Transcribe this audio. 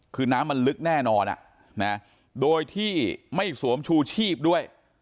คือน้ำมันลึกแน่นอนโดยที่ไม่สวมชูชีพด้วย